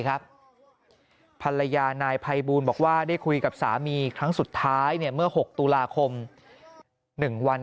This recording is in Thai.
ภรรยานายภัยบูลบอกว่าได้คุยกับสามีครั้งสุดท้ายเมื่อ๖ตุลาคม๑วัน